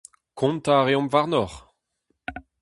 Kontañ a reomp warnoc'h !